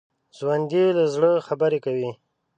ژوندي له زړه خبرې کوي